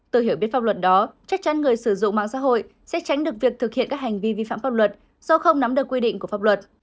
tôi hiểu biết pháp luật đó chắc chắn người sử dụng mạng xã hội sẽ tránh được việc thực hiện các hành vi vi phạm pháp luật do không nắm được quy định của pháp luật